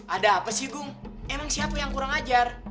ada apa sih gung emang siapa yang kurang ajar